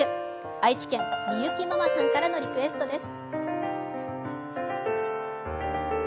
愛知県、みゆきママさんからのリクエストです。